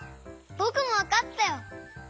ぼくもわかったよ！